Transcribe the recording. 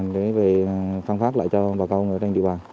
để phan phát lại cho bà con ở trên địa bàn